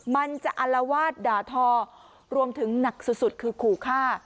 มันจะอลวาดด่าทอรวมถึงหนักสุดคือขู่ฆ่า